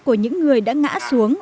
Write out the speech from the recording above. của những người đã ngã xuống